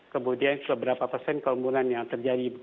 kemudian seberapa persen kerumunan yang terjadi